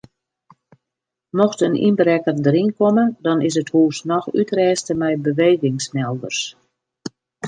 Mocht in ynbrekker deryn komme dan is it hûs noch útrêste mei bewegingsmelders.